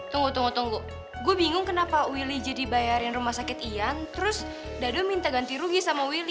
tunggu tunggu tunggu tunggu gue bingung kenapa willy jadi bayarin rumah sakit iyan terus dada minta ganti rugi sama willy